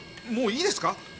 もういいですか？